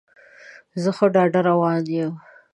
زه ښه ډاډه روان یم.